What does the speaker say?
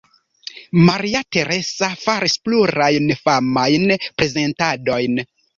Maria Teresa faris plurajn famajn prezentadojn.